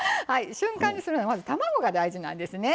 瞬間にするにはまず卵が大事なんですね。